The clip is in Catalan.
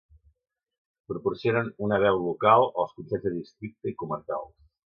Proporcionen una veu local als consells de districte i comarcals.